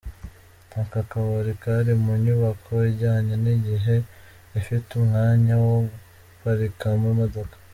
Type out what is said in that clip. Aka kabari kari munyubako ijyanye n'igihe ifiteumwanya wo guparikamo imodoka.